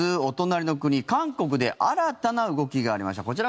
お隣の国、韓国で新たな動きがありました。